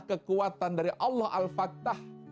kekuatan dari allah al fatah